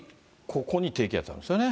ここに低気圧があるんですよね。